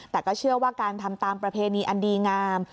แต่ก็เชื่อว่าการทำตามประเพณีอันดีงาม